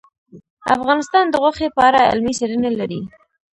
افغانستان د غوښې په اړه علمي څېړنې لري.